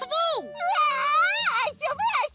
うわあそぶあそぶ！